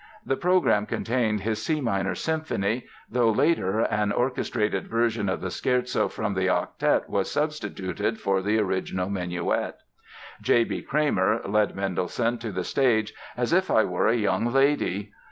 The program contained his C minor Symphony, though later an orchestrated version of the scherzo from the Octet was substituted for the original minuet. J. B. Cramer led Mendelssohn to the stage "as if I were a young lady".